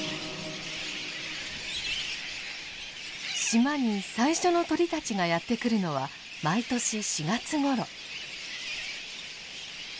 島に最初の鳥たちがやって来るのは毎年４月ごろ。